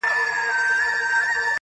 چي خپل خوب ته مي تعبیر جوړ کړ ته نه وې!